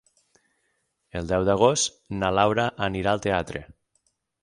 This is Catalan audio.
El deu d'agost na Laura anirà al teatre.